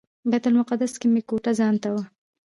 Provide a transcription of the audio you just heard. بیت المقدس کې مې کوټه ځانته وه.